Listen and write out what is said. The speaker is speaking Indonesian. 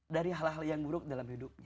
dari hal hal yang buruk dalam hidupnya